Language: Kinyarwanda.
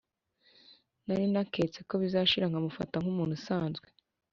nari naketse ko bizashira nkamufata nkumuntu usanzwe